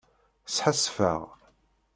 Sḥasfeɣ.